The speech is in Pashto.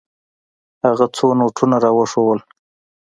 هغه څو نوټونه راوښودل.